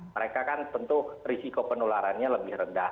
mereka kan tentu risiko penularannya lebih rendah